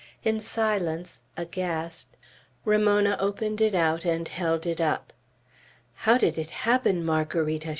In silence, aghast, Ramona opened it out and held it up. "How did it happen, Margarita?"